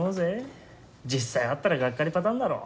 実際会ったらがっかりパターンだろ。